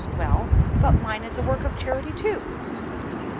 Well, but mine is a work of charity, too."